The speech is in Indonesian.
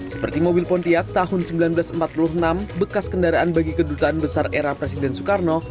seperti mobil pontiak tahun seribu sembilan ratus empat puluh enam bekas kendaraan bagi kedutaan besar era presiden soekarno